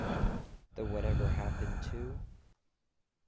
The Whatever Happened to...?